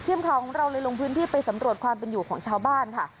ทีมข่าวของเราเลยลงพื้นที่ไปสำรวจความเป็นอยู่ของชาวบ้านค่ะ